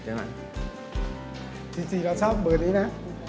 จริงเราชอบเบอร์นี้นะ